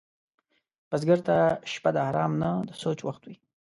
بزګر ته شپه د آرام نه، د سوچ وخت وي